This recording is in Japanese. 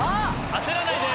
焦らないで！